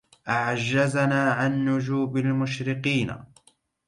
أعجزنا أن نجوب المشرقين